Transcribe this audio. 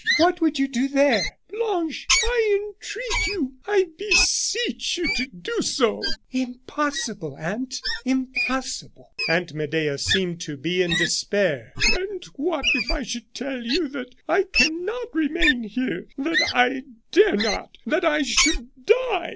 What would you do there?" "Blanche, I entreat you, I beseech you, to do so!" "Impossible, aunt; impossible!" Aunt Medea seemed to be in despair. "And what if I should tell you that I cannot remain here that I dare not that I should die!"